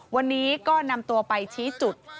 วันนี้ก็นำตัวไปชี้จุด